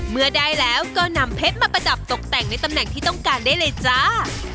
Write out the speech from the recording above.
เมื่อได้แล้วก็นำเพชรมาประดับตกแต่งในตำแหน่งที่ต้องการได้เลยจ้า